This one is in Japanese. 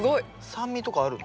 酸味とかあるの？